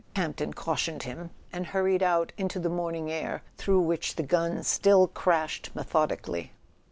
Campton cautioned him, and hurried out into the morning air through which the guns still crashed methodically.